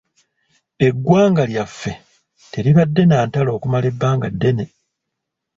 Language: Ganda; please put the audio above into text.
Eggwanga lyaffe teribadde na ntalo okumala ebbanga ddene.